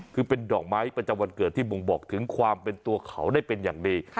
คือเป็นดอกไม้ประจำวันเกิดที่บ่งบอกถึงความเป็นตัวเขาได้เป็นอย่างดี